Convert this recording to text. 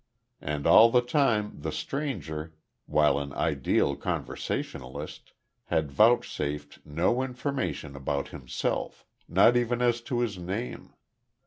And all the time the stranger, while an ideal conversationalist, had vouchsafed no information about himself not even as to his name.